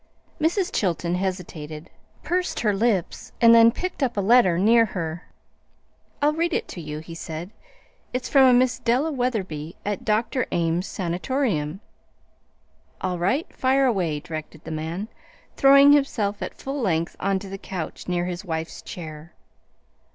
Mrs. Chilton hesitated, pursed her lips, then picked up a letter near her. "I'll read it to you," she said. "It's from a Miss Della Wetherby at Dr. Ames' Sanatorium." "All right. Fire away," directed the man, throwing himself at full length on to the couch near his wife's chair.